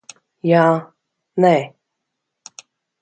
Jā. Nē.